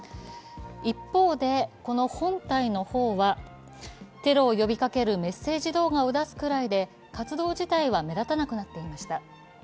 一方で、この本体の方はテロを呼びかけるメッセージ動画を出すくらいで活動自体は目立たなくなっていました。